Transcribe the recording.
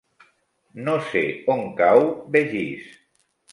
No sé on cau Begís.